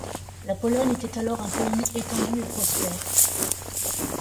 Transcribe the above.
La Pologne était alors un pays étendu et prospère.